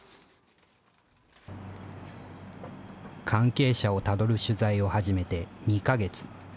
関係者をたどる取材を始めて２か月。